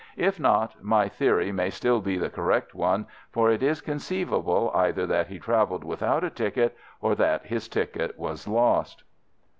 If not, my theory may still be the correct one, for it is conceivable either that he travelled without a ticket or that his ticket was lost."